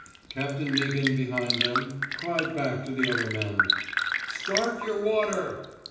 Captain Meaghan, behind them, cried back to the other mien: Start yer water!